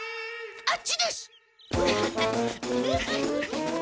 あっちです！